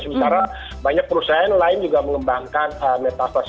sementara banyak perusahaan lain juga mengembangkan metaverse